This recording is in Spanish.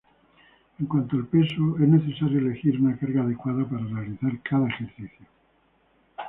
En cuanto al peso, es necesario elegir una carga adecuada para realizar cada ejercicio.